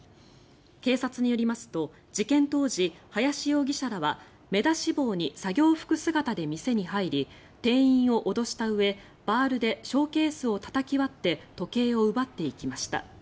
警察によりますと事件当時、林容疑者らは目出し帽に作業服姿で店に入り店員を脅したうえ、バールでショーケースをたたき割って時計を奪っていきました。